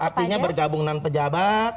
artinya bergabungan pejabat